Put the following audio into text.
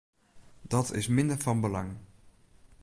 Dat is fan minder belang.